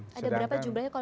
ada berapa jumlahnya